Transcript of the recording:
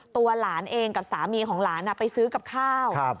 ตัวหลานเองกับสามีของหลานไปซื้อกับข้าว